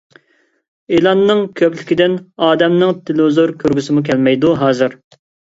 ئېلاننىڭ كۆپلۈكىدىن ئادەمنىڭ تېلېۋىزور كۆرگۈسىمۇ كەلمەيدۇ ھازىر.